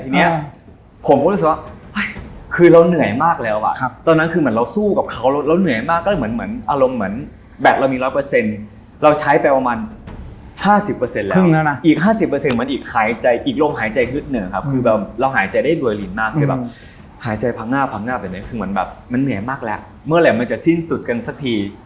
อีก๕๐เปอร์เซ็นต์แล้วนะอีกลบหายใจหึดเหนอะครับคือคือเราหายใจได้ดวลินมากเลยหายใจพังง่าพังง่าเป็นไงมันแม่มักแล้วเมื่อไหร่มันจะสิ้นสุดกันสักที